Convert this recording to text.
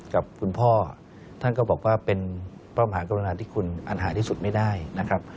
กับคุณพ่อท่านก็บอกว่าเป็นพระมหากรุณาที่คุณอันหาที่สุดไม่ได้นะครับ